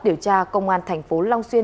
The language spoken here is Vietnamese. điều tra công an thành phố long xuyên